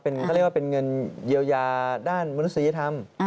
เขาเรียกว่าเป็นเงินเยียวยาด้านมนุษยธรรม